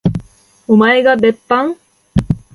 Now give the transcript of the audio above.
おまえが別班？